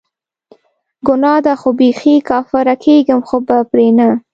ګناه ده خو بیخي کافره کیږم خو به پری نه